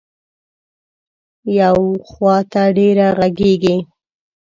یو خو ته ډېره غږېږې.